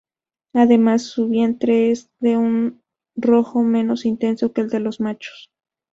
Además su vientre es de un rojo menos intenso que el de los machos.